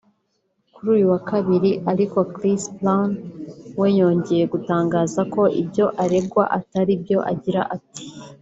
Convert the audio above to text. Kuri uyu wa Kabiri ariko Chris Brown we yongeye gutangaza ko ibyo aregwa atari byo agira ati